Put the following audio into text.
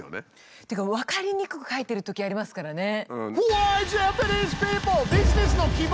っていうか分かりにくく書いてるときありますからね。